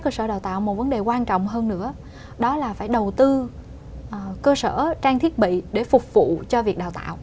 cơ sở đào tạo một vấn đề quan trọng hơn nữa đó là phải đầu tư cơ sở trang thiết bị để phục vụ cho việc đào tạo